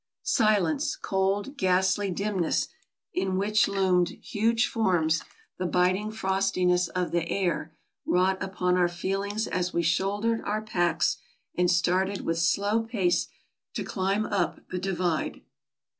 Silence — cold, ghastly dimness, in which loomed huge forms — the biting frostiness of the air, wrought upon our feelings as we shouldered our packs and started with slow pace to climb up the " divide."